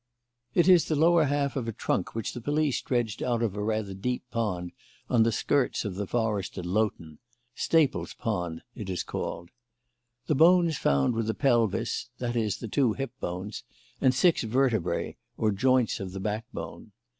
"It is the lower half of a trunk which the police dredged out of a rather deep pond on the skirts of the forest at Loughton Staple's Pond, it is called. The bones found were the pelvis that is, the two hipbones and six vertebrae, or joints of the backbone.